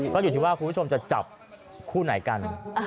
ก็อยู่ที่ว่าคุณสมจับคู่ไหนกัน